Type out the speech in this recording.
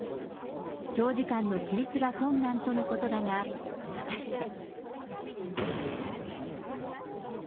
長時間の起立が困難とのことだが、果たして。